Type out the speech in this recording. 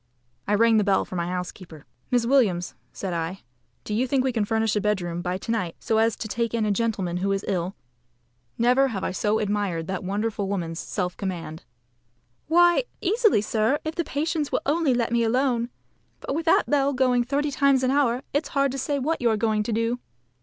I rang the bell for my housekeeper. "Miss Williams," said I, "do you think we can furnish a bedroom by to night, so as to take in a gentleman who is ill?" Never have I so admired that wonderful woman's self command. "Why, easily, sir, if the patients will only let me alone. But with that bell going thirty times an hour, it's hard to say what you are going to do."